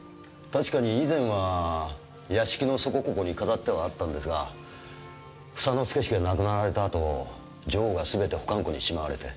確かに以前は屋敷のそこここに飾ってはあったんですが房之助氏が亡くなられた後女王がすべて保管庫にしまわれて。